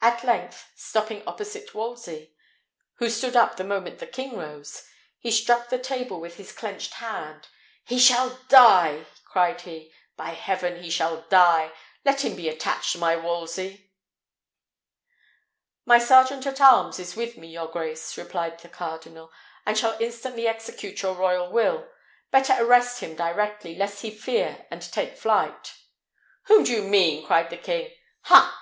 At length, stopping opposite Wolsey, who stood up the moment the king rose, he struck the table with his clenched hand. "He shall die!" cried he; "by heaven, he shall die! Let him be attached, my Wolsey." "My sergeant at arms is with me, your grace," replied the cardinal, "and shall instantly execute your royal will. Better arrest him directly, lest he fear and take flight." "Whom mean you?" cried the king. "Ha!